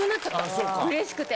うれしくて。